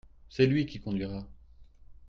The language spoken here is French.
C'est lui qui conduira.